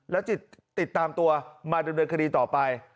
แล้วจะติดตามตัวมาดำเนินคดีต่อไป